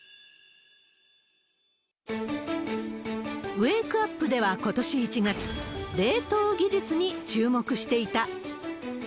ウェークアップではことし１月、冷凍技術に注目していた。